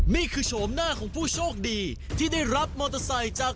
โฉมหน้าของผู้โชคดีที่ได้รับมอเตอร์ไซค์จาก